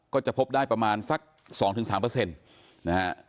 ก็จะพบได้ประมาณสักสองถึงสามเปอร์เซ็นต์นะฮะ